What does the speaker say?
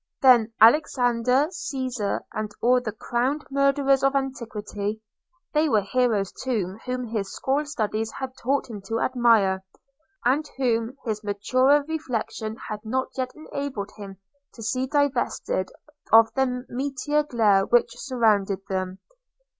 – Then Alexander, Caesar, and all the crowned murderers of antiquity – they were heroes too whom his school studies had taught him to admire, and whom his maturer reflection had not yet enabled him to see divested of the meteor glare which surrounded them.